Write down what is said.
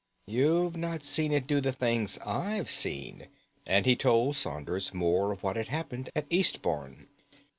You've not seen it do the things I've seen," and he told Saunders more of what had happened at Eastbourne.